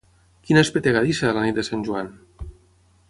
Quina espetegadissa, la nit de sant Joan!